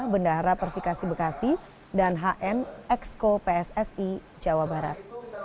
bendahara persikasi bekasi dan hn exco pssi jawa barat